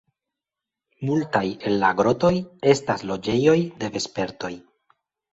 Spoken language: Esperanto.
Multaj el la grotoj estas loĝejoj de vespertoj.